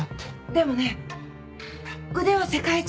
でもね腕は世界一。